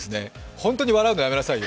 本当に笑うの、やめなさいよ。